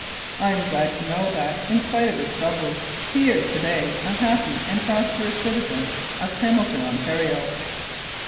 I am glad to know that, in spite of his trouble, he is to day a happy and prosperous citizen of Hamil ton, Ontario.